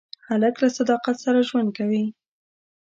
هلک له صداقت سره ژوند کوي.